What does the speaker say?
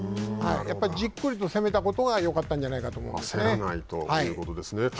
やっぱりじっくりと攻めたことがよかったんじゃないかと思いますね。